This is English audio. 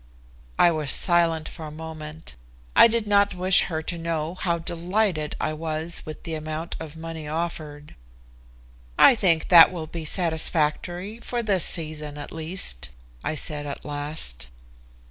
I was silent for a moment. I did not wish her to know how delighted I was with the amount of money offered. "I think that will be satisfactory for this season, at least," I said at last.